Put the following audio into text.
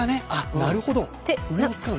なるほど。